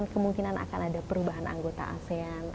kemungkinan akan ada perubahan anggota asean